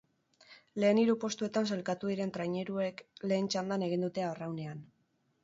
Lehen hiru postuetan sailkatu diren traineruek lehen txandan egin dute arraunean.